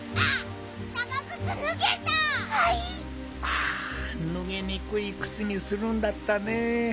あぬげにくいくつにするんだったね。